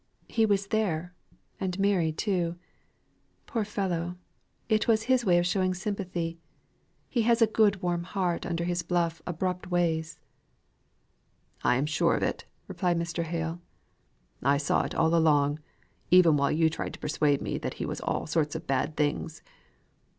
He was there, and Mary too. Poor fellow! it was his way of showing sympathy. He has a good warm heart under his bluff abrupt ways." "I am sure of it," replied Mr. Hale. "I saw it all along, even while you tried to persuade me that he was all sorts of bad things.